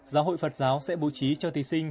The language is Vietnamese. giáo hội phật giáo sẽ bố trí cho thí sinh